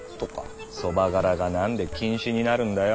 そばがらがなんで禁止になるんだよ。